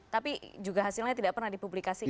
tapi juga hasilnya tidak pernah dipublikasikan